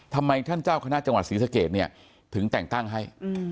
ทำไมท่านเจ้าคณะจังหวัดศรีสะเกดเนี่ยถึงแต่งตั้งให้